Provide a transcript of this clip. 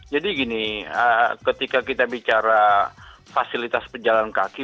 jadi gini ketika kita bicara fasilitas pejalan kaki